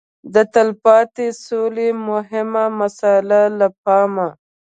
د تلپاتې سولې مهمه مساله له پامه